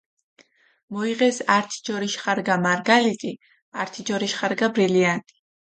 მოიღეს ართი ჯორიშ ხარგა მარგალიტი, ართი ჯორიშ ხარგა ბრილიანტი.